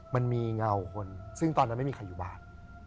มันมีเงาคนซึ่งตอนนั้นไม่มีใครอยู่บ้าน